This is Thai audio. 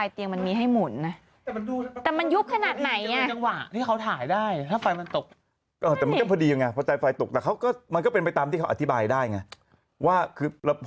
เตียงยุบเตียงไงไม่รู้อันนี้ไม่รู้นะครับ